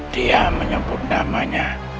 dia menyebut namanya